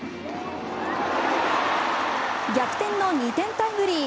逆転の２点タイムリー。